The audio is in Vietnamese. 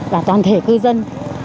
và toàn thể cư dân